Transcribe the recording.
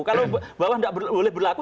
kalau bawah tidak boleh berlaku